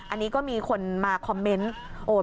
อันนี้ก็มีคนมาคอมเมนต์โอน